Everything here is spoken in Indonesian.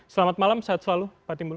selamat malam sehat selalu pak timbul